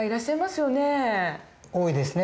多いですね。